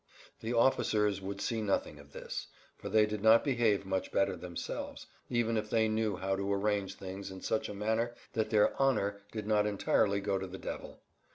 The officers would see nothing of this, for they did not behave much better themselves, even if they knew how to arrange things in such a manner that their "honor" did not entirely go to the devil.